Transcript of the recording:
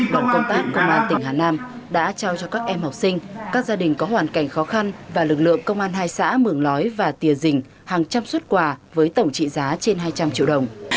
đoàn công tác công an tỉnh hà nam đã trao cho các em học sinh các gia đình có hoàn cảnh khó khăn và lực lượng công an hai xã mường lói và tìa dình hàng trăm xuất quà với tổng trị giá trên hai trăm linh triệu đồng